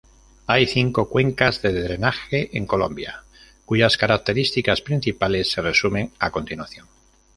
Hay cinco cuencas de drenaje en Colombia, cuyas características principales se resumen a continuación.